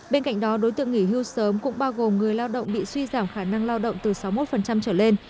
bên cạnh đó đối tượng nghỉ hưu sớm cũng bao gồm người lao động bị suy giảm khả năng lao động từ sáu mươi một trở lên